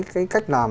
cái cách làm